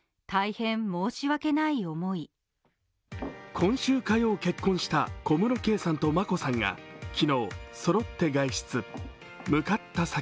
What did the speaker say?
今週火曜、結婚した小室眞子さんと圭さんが昨日、そろって外出。